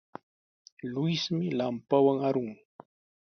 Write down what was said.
Luismi lampawan arun.